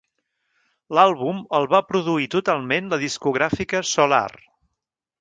L'àlbum el va produir totalment la discogràfica Solar.